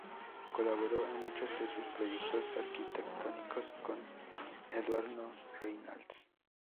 Colaboró en muchos de sus proyectos arquitectónicos con Eduardo Reynals.